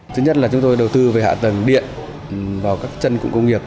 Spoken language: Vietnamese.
thứ nhất là chúng tôi đầu tư về hạ tầng điện vào các chân cụng công nghiệp